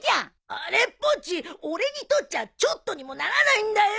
あれっぽっち俺にとっちゃちょっとにもならないんだよ！